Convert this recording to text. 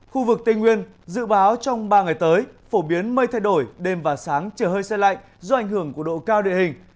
khu vực tây nguyên dự báo trong ba ngày tới phổ biến mây thay đổi đêm và sáng trời hơi xe lạnh do ảnh hưởng của độ cao địa hình